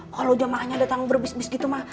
kalau jamaahnya datang berbis bis gitu pak